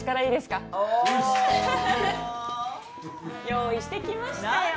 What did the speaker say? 用意して来ましたよ。